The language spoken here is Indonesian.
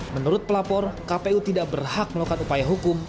menurut pelapor kpu tidak berhak melakukan upaya hukum